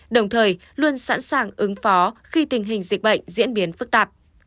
đồng thời luôn sẵn sàng ứng phó khi tình hình dịch bệnh diễn biến phức tạp